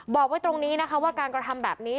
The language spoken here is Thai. บอกไว้ตรงนี้นะคะว่าการกระทำแบบนี้